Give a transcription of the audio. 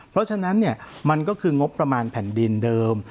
เพราะฉะนั้นมันก็คืองบประมาณแผ่นดินเดิม